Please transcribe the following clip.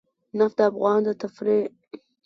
نفت د افغانانو د تفریح یوه وسیله ده.